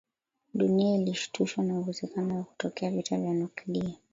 Dunia ilishtushwa na uwezekano wa kutokea vita vya nuklia